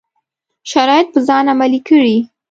شرایط په ځان عملي کړي.